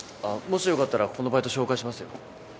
もしよかったらここのバイト紹介しますよ。